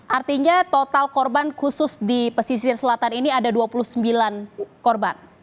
artinya total korban khusus di pesisir selatan ini ada dua puluh sembilan korban